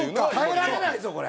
耐えられないぞこれ。